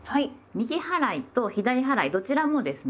右払いと左払いどちらもですね